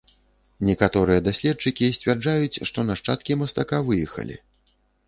Некаторыя даследчыкі сцвярджаюць, што нашчадкі мастака выехалі.